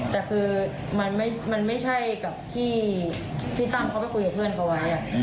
แต่คือมันไม่ใช่กับที่พี่ตั้มเขาไปคุยกับเพื่อนเขาไว้